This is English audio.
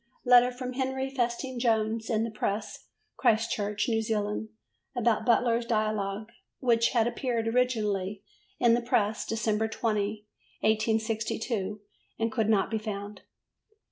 Letter from Henry Festing Jones in the Press, Christchurch, New Zealand, about Butler's Dialogue, which had appeared originally in the Press December 20, 1862, and could not be found.